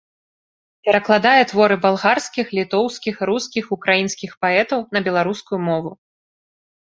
Перакладае творы балгарскіх, літоўскіх, рускіх, украінскіх паэтаў на беларускую мову.